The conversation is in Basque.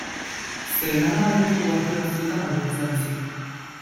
Zeelanda Berriko uharte batzuetan baino ez da bizi.